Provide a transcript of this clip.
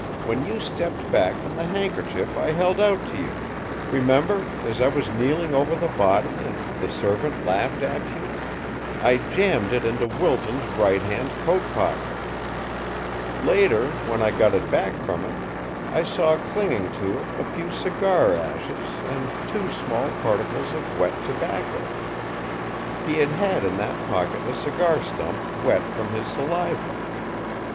When you stepped back from the handkerchief I held out to you remember, as I was kneeling over the body, and the servant laughed at you? I jammed it into Wilton's right hand coat pocket. "Later, when I got it back from him, I saw clinging to it a few cigar ashes and two small particles of wet tobacco. He had had in that pocket a cigar stump wet from his saliva.